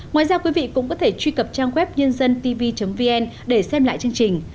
ngoài ra quý vị cũng có thể truy cập trang web nhândân tv vn để xem lại chương trình